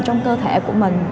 trong cơ thể của mình